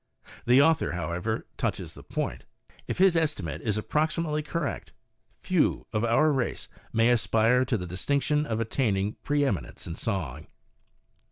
The author, however, touches the point. If his estimate is approximately correct, few of our race may aspire to the distinction of attaining preeminence in song.